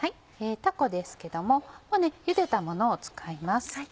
たこですけどももうゆでたものを使います。